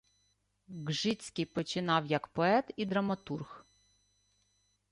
Ґжицький починав як поет і драматург.